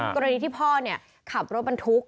กรณีที่พ่อขับรถบรรทุก